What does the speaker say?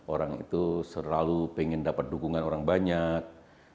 orang itu selalu pengen dapat dukungan orang banyak